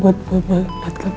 birdman menggambar karirnya